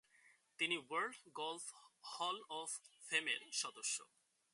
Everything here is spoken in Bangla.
তিনি ওয়ার্ল্ড গলফ হল অব ফেমের সদস্য।